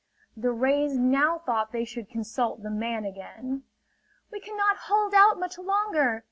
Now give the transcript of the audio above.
The rays now thought they should consult the man again. "We cannot hold out much longer!"